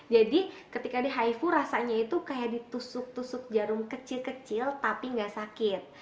jadi ketika di hifu rasanya itu kayak ditusuk tusuk jarum kecil kecil tapi gak sakit